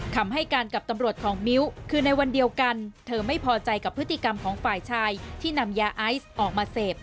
คำให้การกับตำรวจของมิ้วคือในวันเดียวกันเธอไม่พอใจกับพฤติกรรมของฝ่ายชายที่นำยาไอซ์ออกมาเสพ